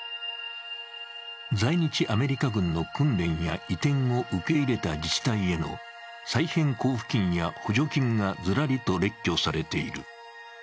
在日アメリカ軍の訓練や移転を受け入れた自治体への再編交付金や補助金がずらりと列挙されている。